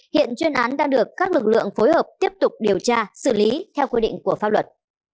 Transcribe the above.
hiện chuyên án đang được các lực lượng phối hợp tiếp tục điều tra xử lý theo quy định của pháp luật